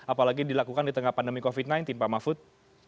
apalagi dilakukan di tengah pandemi covid sembilan belas pak mahfud